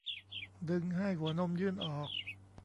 ดึงให้หัวนมยื่นออก